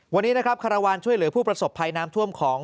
วันนี้นะครับคารวาลช่วยเหลือผู้ประสบภัยน้ำท่วมของ